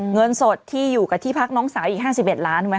เงินสดที่อยู่กับที่พักน้องสาวอีก๕๑ล้านไว้